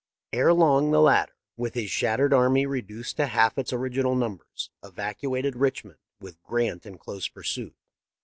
Erelong, the latter, with his shattered army reduced to half its original numbers, evacuated Richmond, with Grant in close pursuit.